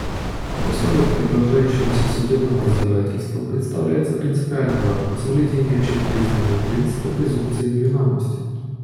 В условиях продолжающегося судебного разбирательства представляется принципиально важным соблюдение общепризнанного принципа презумпции невиновности.